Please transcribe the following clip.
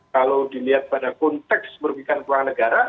kalau dilihat pada konteks perubahan negara